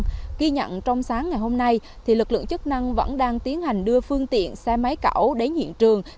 ghi nhận trong sáng ngày hôm nay lực lượng chức năng vẫn đang tiến hành đưa phương tiện xe máy cảo đến hiện trường